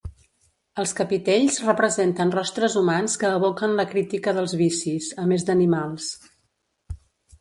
Els capitells representen rostres humans que evoquen la crítica dels vicis, a més d'animals.